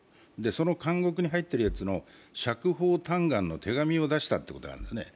その監獄に入ってるやつの釈放嘆願の手紙を出したことがあったんですね。